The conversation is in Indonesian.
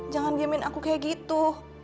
jangan diamin aku kayak gitu